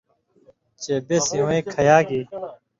چے بے سِوَیں کھیاگ یی،